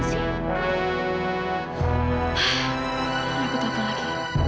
pak aku telepon lagi